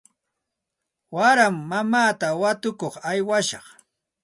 Waraymi mamaata watukuq aywashaq.